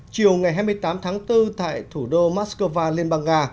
chiều ngày hai mươi tám tháng bốn tại thủ đô moscow liên bang nga